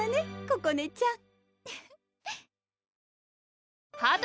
ここねちゃん